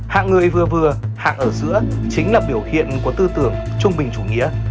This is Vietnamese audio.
hạng người vừa vừa hạng ở giữa chính là biểu hiện của tư tưởng trung bình chủ nghĩa